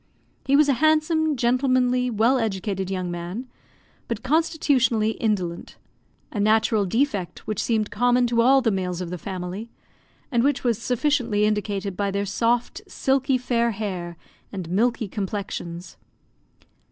He was a handsome, gentlemanly, well educated young man, but constitutionally indolent a natural defect which seemed common to all the males of the family, and which was sufficiently indicated by their soft, silky, fair hair and milky complexions.